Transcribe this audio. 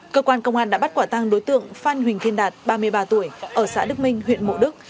cơ quan công an đã bắt quả tăng đối tượng phan huỳnh thiên đạt ba mươi ba tuổi ở xã đức minh huyện mộ đức